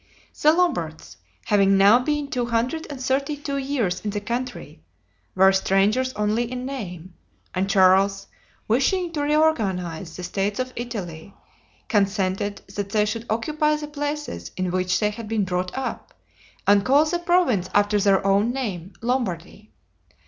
The Lombards, having now been two hundred and thirty two years in the country, were strangers only in name, and Charles, wishing to reorganize the states of Italy, consented that they should occupy the places in which they had been brought up, and call the province after their own name, Lombardy.